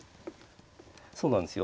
そうなんですよ